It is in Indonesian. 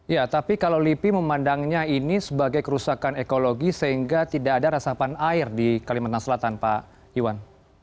ya tapi kalau lipi memandangnya ini sebagai kerusakan ekologi sehingga tidak ada rasapan air di kalimantan selatan pak iwan